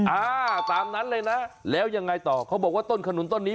อ่าตามนั้นเลยนะแล้วยังไงต่อเขาบอกว่าต้นขนุนต้นนี้